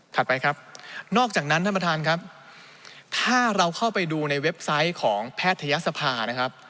ไปครับนอกจากนั้นท่านประธานครับถ้าเราเข้าไปดูในเว็บไซต์ของแพทยศภานะครับ